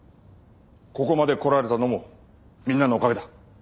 ここまで来られたのもみんなのおかげだ。